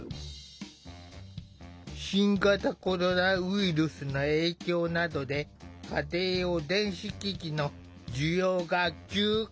新型コロナウイルスの影響などで家庭用電子機器の需要が急拡大。